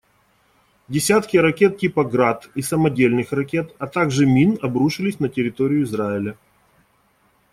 Десятки ракет типа «Град» и самодельных ракет, а также мин обрушились на территорию Израиля.